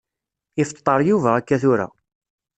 Ifeṭṭer Yuba akka tura.